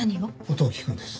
音を聞くんです。